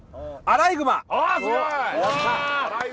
アライグマわー！